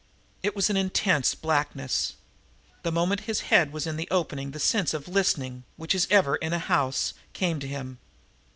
It was an intense blackness. The moment his head was in the opening the sense of listening, which is ever in a house, came to him.